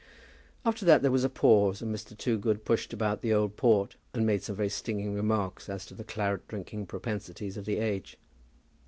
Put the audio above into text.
After that there was a pause, and Mr. Toogood pushed about the old port, and made some very stinging remarks as to the claret drinking propensities of the age.